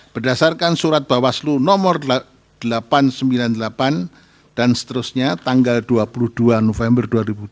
berdasarkan surat bawaslu nomor delapan ratus sembilan puluh delapan dan seterusnya tanggal dua puluh dua november dua ribu dua puluh